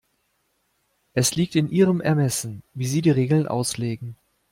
Es liegt in Ihrem Ermessen, wie Sie die Regeln auslegen.